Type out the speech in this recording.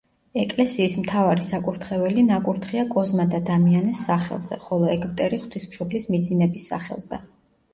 ეკლესიის მთავარი საკურთხეველი ნაკურთხია კოზმა და დამიანეს სახელზე, ხოლო ეგვტერი ღვთისმშობლის მიძინების სახელზე.